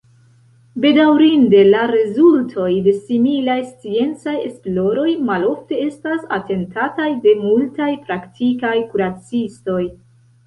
Bedaŭrinde, la rezultoj de similaj sciencaj esploroj malofte estas atentataj de multaj praktikaj kuracistoj.